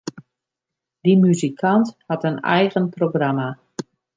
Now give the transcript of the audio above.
Dy muzikant hat in eigen programma.